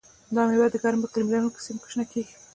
دا مېوه د ګرم اقلیم لرونکو سیمو کې شنه کېږي.